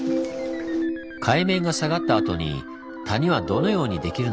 海面が下がったあとに谷はどのようにできるのか？